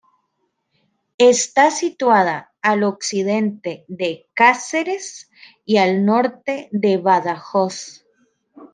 Está situada al occidente de Cáceres y al norte de Badajoz.